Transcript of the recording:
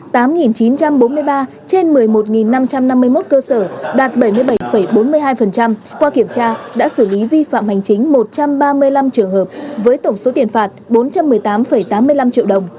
trên một mươi một năm trăm năm mươi một cơ sở đạt bảy mươi bảy bốn mươi hai qua kiểm tra đã xử lý vi phạm hành chính một trăm ba mươi năm trường hợp với tổng số tiền phạt bốn trăm một mươi tám tám mươi năm triệu đồng